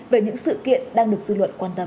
về những sự kiện đang được dư luận quan tâm